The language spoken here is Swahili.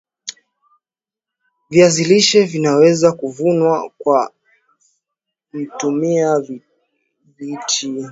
viazilishe vinaweza kuvunwa kwa mutmia vijiti rato au jembe